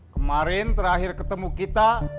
kemarin terakhir ketemu kita